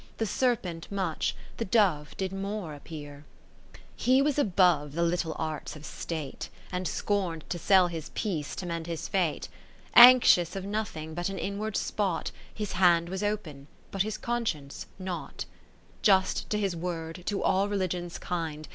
The serpent much, the dove did more appear : He was above the little arts of State, And scorn'd to sell his peace to mend his Fate ; p,o Anxious of nothing, but an inward spot. His hand was open, but his con science not ; Just to his word, to all religions kind.